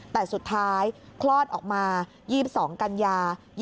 แต่สุดท้ายคลอดออกมา๒๒กันยา๒๕